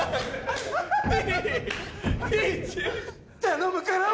頼むから。